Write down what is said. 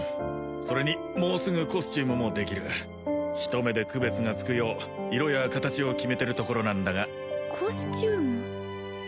それにもうすぐコスチュームもできる一目で区別がつくよう色や形を決めてるところなんだがコスチューム？